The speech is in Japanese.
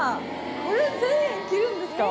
これ１０００円切るんですか？